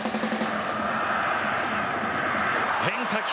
変化球。